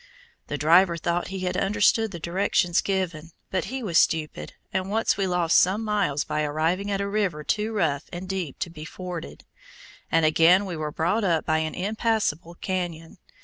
The driver thought he had understood the directions given, but he was stupid, and once we lost some miles by arriving at a river too rough and deep to be forded, and again we were brought up by an impassable canyon.